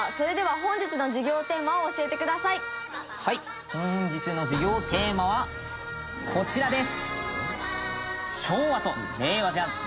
本日の授業テーマはこちらです。